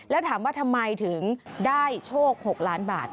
แล้วถามว่าทำไมถึงได้โชค๖ล้านบาท